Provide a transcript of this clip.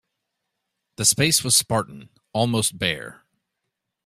The space was spartan, almost bare.